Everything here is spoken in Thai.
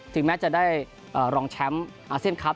แม้จะได้รองแชมป์อาเซียนคลับ